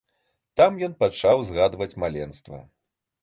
Там ён пачаў згадваць маленства.